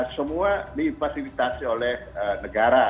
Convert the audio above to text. semua dipasifitasi oleh negara